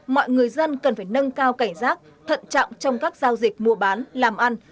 mọi người dân cần phải nâng cao cảnh giác thận trọng trong các giao dịch mua bán làm ăn